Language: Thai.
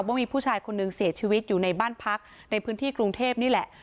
ว่ามีผู้ชายคนหนึ่งเสียชีวิตอยู่ในบ้านพักในพื้นที่กรุงเทพนี่แหละ